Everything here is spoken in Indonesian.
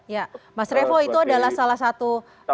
ya mas revo itu adalah salah satu